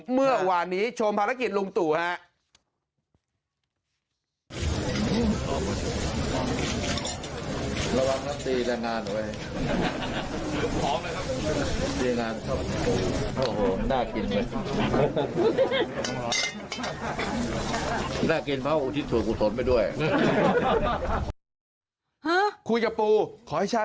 เมื่อวานนี้ชมภารกิจลุงตู่ฮะ